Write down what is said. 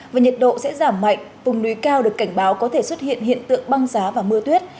và nhiệt độ sẽ giảm mạnh vùng núi cao được cảnh báo có thể xuất hiện hiện tượng băng giá và mưa tuyết